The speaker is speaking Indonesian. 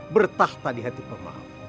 bertah tadi hati pemaaf